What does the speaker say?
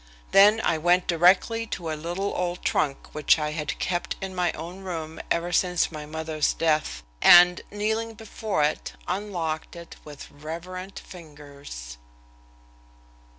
Then I went directly to a little old trunk which I had kept in my own room ever since my mother's death, and, kneeling before it unlocked it with reverent fingers.